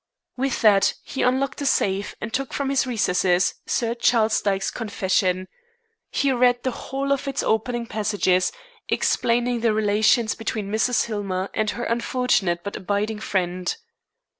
With that, he unlocked a safe and took from its recesses Sir Charles Dyke's "confession." He read the whole of its opening passages, explaining the relations between Mrs. Hillmer and her unfortunate but abiding friend.